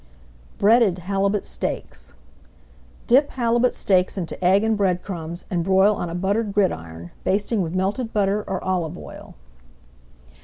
BREADED HALIBUT STEAKS Dip halibut steaks into egg and bread crumbs, and broil on a buttered gridiron, basting with melted butter or olive oil.